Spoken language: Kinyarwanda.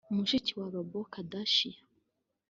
mushiki wa Rob Kardashian